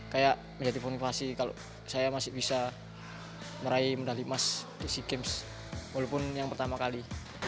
kayak menjadi motivasi kalau saya masih bisa meraih medali emas di sea games walaupun yang pertama kali